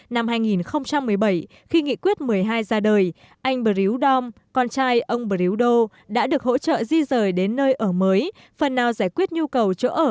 năm hai nghìn một mươi bảy khi nghị quyết một mươi hai ra đời anh bờ ríu đô con trai ông bờ ríu đô đã được hỗ trợ di rời đến nơi ở mới phần nào giải quyết nhu cầu chỗ ở